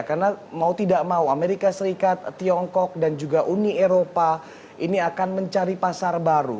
karena mau tidak mau amerika serikat tiongkok dan juga uni eropa ini akan mencari pasar baru